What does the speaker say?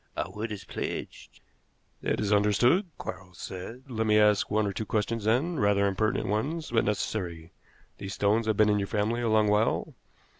Our word is pledged." "That is understood," Quarles said. "Let me ask one or two questions, then rather impertinent ones, but necessary. These stones have been in your family a long while?"